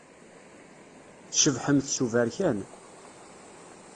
Tcebḥemt s uberkan.